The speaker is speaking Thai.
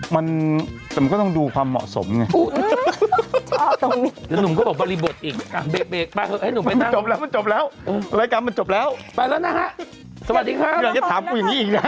โปรดติดตามตอนต่อไป